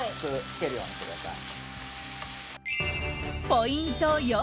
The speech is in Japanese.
ポイント